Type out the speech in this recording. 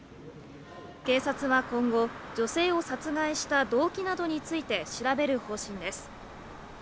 警察は今後、女性を殺害した動機などについて、調べる方針です。